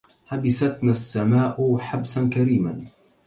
حبستنا السماء حبسا كريما